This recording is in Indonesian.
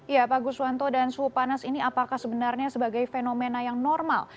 ya pak guswanto dan suhu panas ini apakah sebenarnya sebagai fenomena yang normal